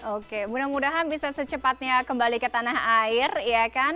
oke mudah mudahan bisa secepatnya kembali ke tanah air ya kan